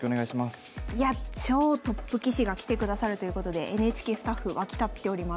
いや超トップ棋士が来てくださるということでＮＨＫスタッフ沸き立っております。